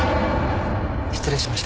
失礼しました。